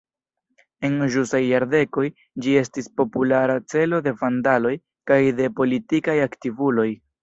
En ĵusaj jardekoj ĝi estis populara celo de vandaloj kaj de politikaj aktivuloj.